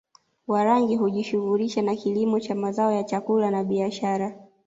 Warangi hujishughulisha na kilimo cha mazao ya chakula na biashara